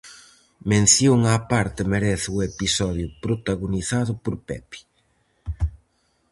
Mención á parte merece o episodio protagonizado por Pepe.